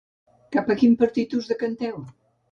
Cap a quin partit us decanteu?